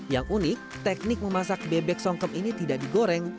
yang unik teknik memasak bebek songkep ini tidak digoreng